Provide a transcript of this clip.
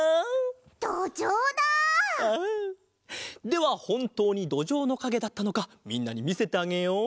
ではほんとうにどじょうのかげだったのかみんなにみせてあげよう！